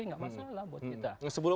tidak masalah buat kita